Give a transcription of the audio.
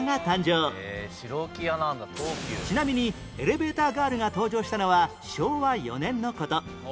ちなみにエレベーターガールが登場したのは昭和４年の事